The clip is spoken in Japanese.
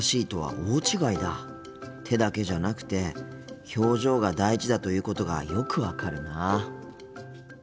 手だけじゃなくて表情が大事だということがよく分かるな。